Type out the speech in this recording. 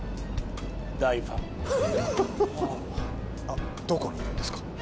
大ファンどこにいるんですか？